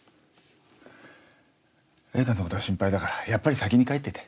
零花のことが心配だからやっぱり先に帰ってて。